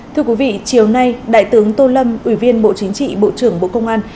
thưa quý vị chiều nay đại tướng tô lâm ủy viên bộ chính trị bộ trưởng bộ công an